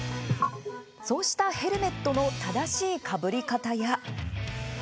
そうしたヘルメットの正しいかぶり方や。